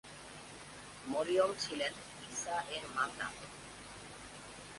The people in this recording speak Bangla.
মরিয়ম হলেন ঈসা এর মাতা।